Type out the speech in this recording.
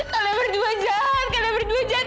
kalian berdua jahat